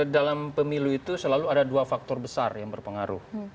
dalam pemilu itu selalu ada dua faktor besar yang berpengaruh